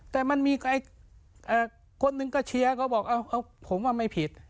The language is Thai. แต่มันมีคนหนึ่งก็เชียร์ก็บอกผมว่าไม่ผิด